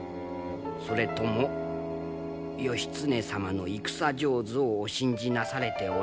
それとも義経様の戦上手をお信じなされておられるのか。